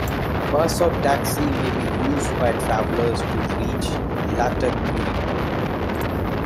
Bus or Taxi may be used by travelers to reach lataqguri.